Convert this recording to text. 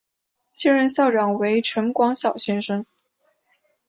现任校长为陈广尧先生。